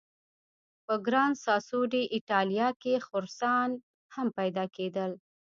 په ګران ساسو ډي ایټالیا کې خرسان هم پیدا کېدل.